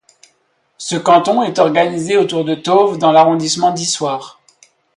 Ce canton est organisé autour de Tauves dans l'arrondissement d'Issoire.